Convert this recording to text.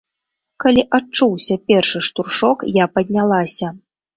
Калі адчуўся першы штуршок, я паднялася.